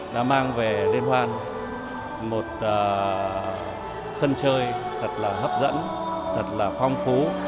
đã mang về liên hoan một sân chơi thật là hấp dẫn thật là phong phú